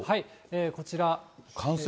こちら。